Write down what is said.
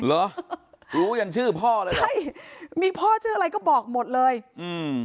เหรอรู้ยันชื่อพ่อเลยใช่มีพ่อชื่ออะไรก็บอกหมดเลยอืม